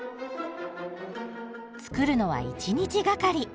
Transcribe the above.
作るのは１日がかり。